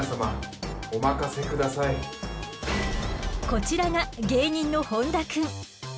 こちらが芸人の本多くん。